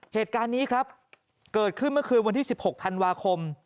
เหตุการณ์นี้ครับเกิดขึ้นเมื่อคืนวันที่๑๖ธันวาคม